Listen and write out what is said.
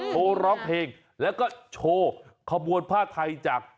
ทะพานดีสวยสวยมาก